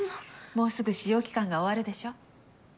もうすぐ試用期間が終わるでしょ。